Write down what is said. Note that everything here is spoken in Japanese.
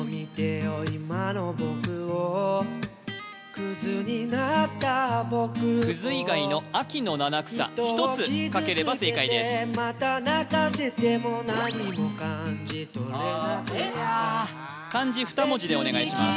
クズ以外の秋の七草１つ書ければ正解ですいや漢字２文字でお願いします